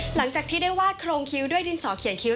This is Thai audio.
หลังจากที่ได้วาดโครงคิ้วด้วยดินสอเขียนคิ้ว